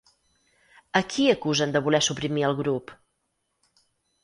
A qui acusen de voler suprimir el grup?